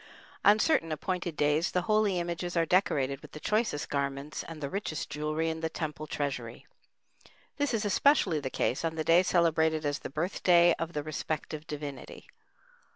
On certain appointed days the holy images are decorated with the choicest garments and the richest jewelry in the temple treasury; this is especially the case on the day celebrated as the birthday of the respective divinity.